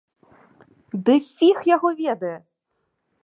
Ды фіг яго ведае!